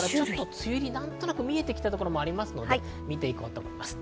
梅雨入りがなんとなく見えてきたところもありますので、見ていきます。